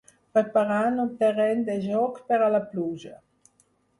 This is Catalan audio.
Preparant un terreny de joc per a la pluja.